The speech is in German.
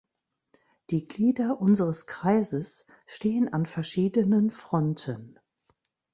Die Glieder unseres Kreises stehen an verschiedenen Fronten.